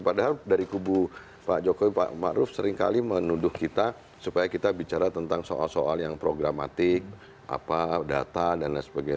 padahal dari kubu pak jokowi pak ⁇ maruf ⁇ seringkali menuduh kita supaya kita bicara tentang soal soal yang programatik data dan lain sebagainya